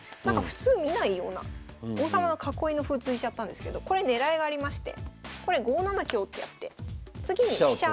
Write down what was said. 普通見ないような王様の囲いの歩突いちゃったんですけどこれ狙いがありましてこれ５七香ってやって次に飛車。